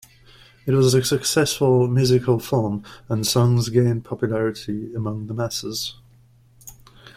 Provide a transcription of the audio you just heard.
It was a successful musical film and songs gained popularity among the masses.